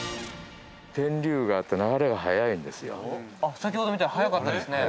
先ほど見たら速かったですね。